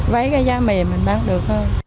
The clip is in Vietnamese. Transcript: váy cái giá mềm mình bán được hơn